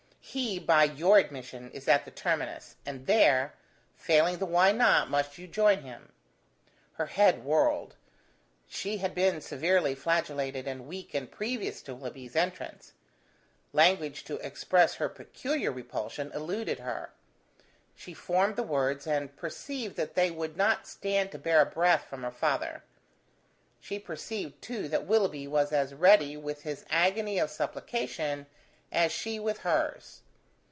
He, by your admission, is at the terminus, and there, failing the why not, must you join him." Her head whirled. She had been severely flagellated and weakened previous to Willoughby's entrance. Language to express her peculiar repulsion eluded her. She formed the words, and perceived that they would not stand to bear a breath from her father. She perceived too that Willoughby was as ready with his agony of supplication as she with hers.